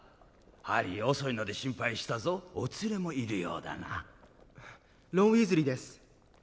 ハリー遅いので心配したぞお連れもいるようだなロン・ウィーズリーです